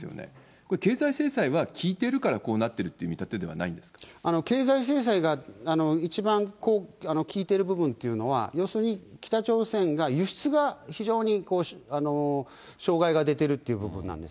これ、経済制裁は効いてるからこうなってるという経済制裁が一番効いてる部分っていうのは、要するに、北朝鮮が輸出が非常に障害が出てるっていう部分なんです。